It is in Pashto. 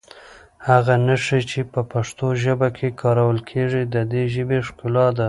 هغه نښې چې په پښتو ژبه کې کارول کېږي د دې ژبې ښکلا ده.